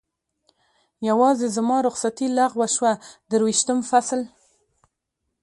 یوازې زما رخصتي لغوه شوه، درویشتم فصل.